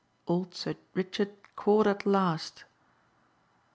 "Old Sir Richard caught at last."